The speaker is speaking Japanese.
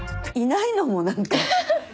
いないのもなんか。